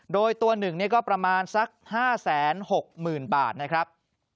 โดยตัวหนึ่งนี่ก็ประมาณสัก๕๖๐๐๐บาทนะครับ